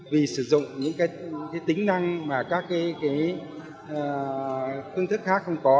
vì sử dụng những cái tính năng mà các cái ứng thức khác không có